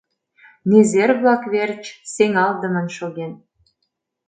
Незер-влак верч сеҥалтдымын шоген.